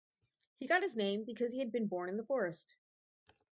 He got his name because he had been born in the forest.